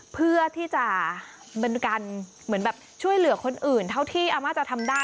เพื่อที่จะเป็นการเหมือนแบบช่วยเหลือคนอื่นเท่าที่อาม่าจะทำได้